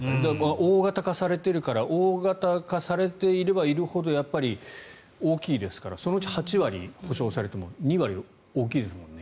大型化されているから大型化されていればいるほど大きいですからそのうち８割補償されても２割、大きいですもんね。